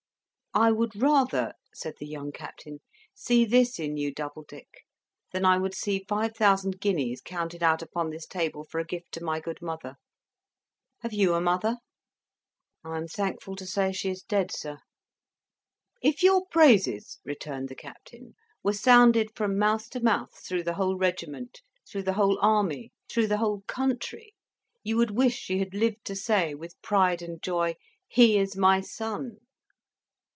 "I would rather," said the young Captain, "see this in you, Doubledick, than I would see five thousand guineas counted out upon this table for a gift to my good mother. Have you a mother?" "I am thankful to say she is dead, sir." "If your praises," returned the Captain, "were sounded from mouth to mouth through the whole regiment, through the whole army, through the whole country, you would wish she had lived to say, with pride and joy, 'He is my son!'"